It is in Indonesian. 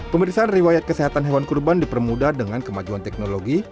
pemeriksaan riwayat kesehatan hewan kurban dipermudah dengan kemajuan teknologi